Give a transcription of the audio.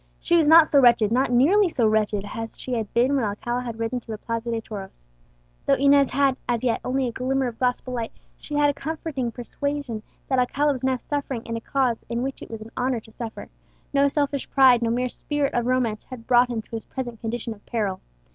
She was not so wretched, not nearly so wretched, as she had been when Alcala had ridden to the Plaza de Toros. Though Inez had, as yet, only a glimmer of gospel light, she had a comforting persuasion that Alcala was now suffering in a cause in which it was an honour to suffer: no selfish pride, no mere spirit of romance, had brought him to his present condition of peril.